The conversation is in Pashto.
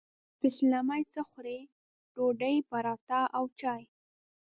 پیشلمۍ څه خورئ؟ ډوډۍ، پراټه او چاي